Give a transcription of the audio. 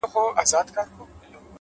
هره لاسته راوړنه له هڅې راټوکېږي’